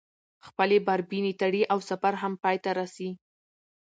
خپلې باربېنې تړي او سفر هم پاى ته رسي.